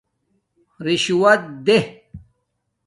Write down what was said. رِشوت دے